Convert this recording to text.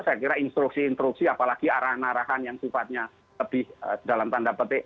saya kira instruksi instruksi apalagi arahan arahan yang sifatnya lebih dalam tanda petik